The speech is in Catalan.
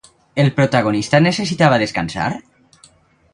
El protagonista necessitava descansar?